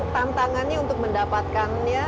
tantangannya untuk mendapatkannya